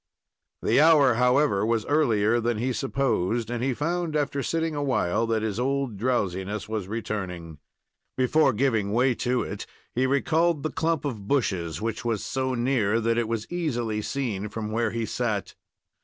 The hour, however, was earlier then he supposed, and he found, after sitting awhile, that his old drowsiness was returning. Before giving way to it, he recalled the clump of bushes, which was so near that it was easily seen from where he sat.